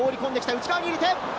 内側に入れて。